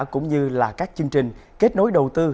cũng như là các chương trình kết nối đầu tư